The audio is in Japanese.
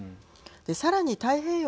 さらに太平洋